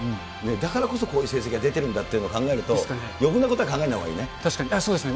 だからこそ、こういう成績が出てるんだっていうのを考えると、余分なことは考えないほうがいい確かに、そうですね。